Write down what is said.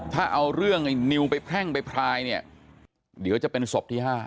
ถ้าเอาเรื่องไอ้นิวไปแพร่งไปพลายเนี่ยเดี๋ยวจะเป็นศพที่๕